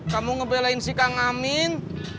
kamu ngebelain si kang amin